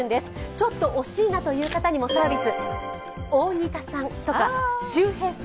ちょっと惜しいなという方にもサービス。